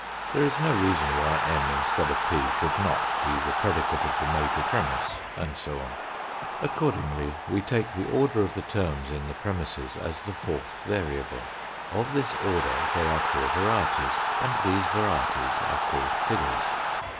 There is no reason why M instead of P should not be the predicate of the major premiss, and so on. Accordingly we take the order of the terms in the pre misses as the fourth variable. Of this order there are four varieties, and these varieties are called figures.